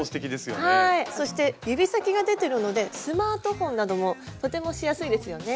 そして指先が出てるのでスマートフォンなどもとてもしやすいですよね。